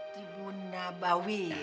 di bunda bawi